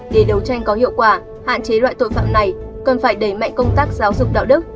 để đấu tranh có hiệu quả hạn chế loại tội phạm này cần phải đẩy mạnh công tác giáo dục đạo đức